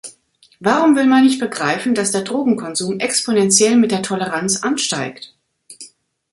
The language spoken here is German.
Warum will man nicht begreifen, dass der Drogenkonsum exponentiell mit der Toleranz ansteigt?